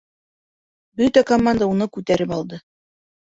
Бөтә команда уны күтәреп алды: